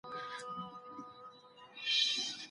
ولي کوښښ کوونکی د پوه سړي په پرتله ډېر مخکي ځي؟